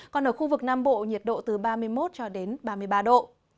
còn ở khu vực nam bộ nhiệt độ từ ba mươi một cho đến ba mươi ba độ